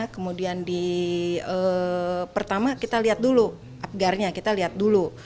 kemudian di pertama kita lihat dulu abgarnya kita lihat dulu